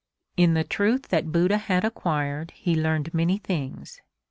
In the truth that Buddha had acquired he learned many things.